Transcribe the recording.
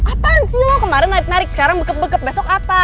apaan sih lo kemarin narik narik sekarang bekep bekep besok apa